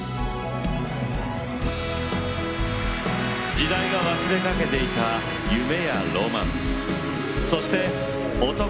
時代が忘れかけていた夢やロマンそして男の熱さ。